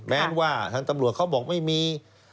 แม้ว่าทางตำรวจเขาบอกไม่มี